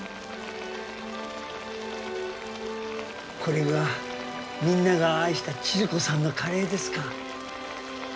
これがみんなが愛した千鶴子さんのカレーですか。